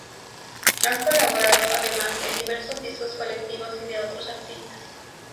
Ha colaborado, además, en diversos discos colectivos y de otros artistas.